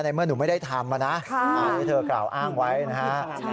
เมื่อหนูไม่ได้ทำนะอันนี้เธอกล่าวอ้างไว้นะฮะ